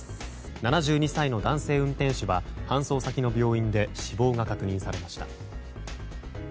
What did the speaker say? ７２歳の男性運転手は搬送先の病院で死亡が確認されました。